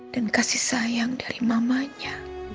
dan kasih sayang dari mamanya